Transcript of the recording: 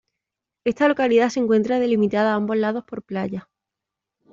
Esta localidad se encuentra delimitada a ambos lados por playas.